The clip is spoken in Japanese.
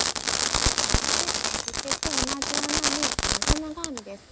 続けて同じ穴に長々編みです。